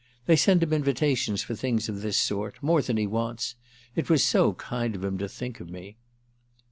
They send him invitations for things of this sort—more than he wants. It was so kind of him to think of me."